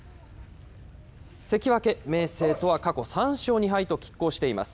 関脇・明生とは、過去３勝２敗ときっ抗しています。